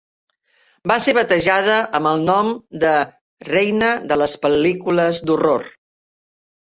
Va ser batejada amb el nom de "Reina de les pel·lícules d'horror".